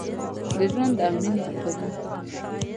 د ژوند او میینې کتابونه ،